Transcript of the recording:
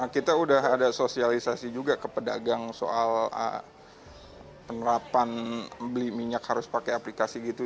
kita sudah ada sosialisasi juga ke pedagang soal penerapan beli minyak harus pakai aplikasi gitu